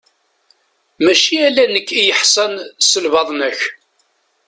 Mačči ala nekk i yeḥsan s lbaḍna-k.